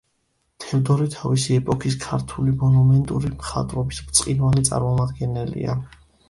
თევდორე თავისი ეპოქის ქართული მონუმენტური მხატვრობის ბრწყინვალე წარმომადგენელია.